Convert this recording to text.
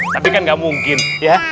tapi kan gak mungkin ya